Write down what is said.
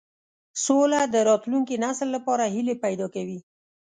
سوله د راتلونکي نسل لپاره هیلې پیدا کوي.